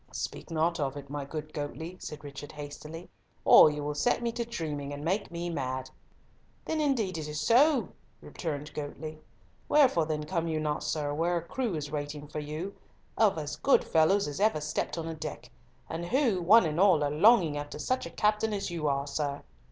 "Speak not of it, my good Goatley," said Richard, hastily, "or you will set me dreaming and make me mad." "Then it is indeed so," returned Goatley. "Wherefore then come you not, sir, where a crew is waiting for you of as good fellows as ever stepped on a deck, and who, one and all, are longing after such a captain as you are, sir?